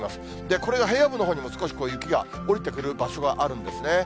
これが平野部のほうにも少しの雪が降りてくる場所があるんですね。